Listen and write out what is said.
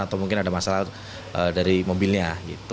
atau mungkin ada masalah dari mobilnya